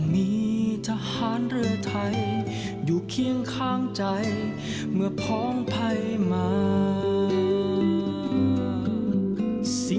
ที่จะฟื้นฟูให้กลับสู่สภาพปกติครับ